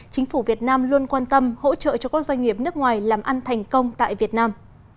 chính phủ việt nam luôn quan tâm hỗ trợ cho các doanh nghiệp nước ngoài làm ăn thành công tại việt nam